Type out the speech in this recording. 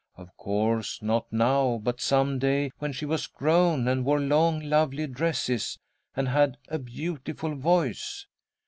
Of course, not now, but some day when she was grown, and wore long, lovely dresses, and had a beautiful voice.